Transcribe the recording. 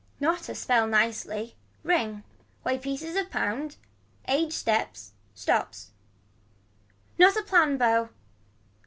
Not a spell nicely. Ring. Weigh pieces of pound. Aged steps. Stops. Not a plan bow.